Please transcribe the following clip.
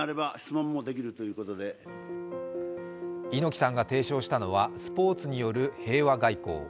猪木さんが提唱したのはスポーツによる平和外交。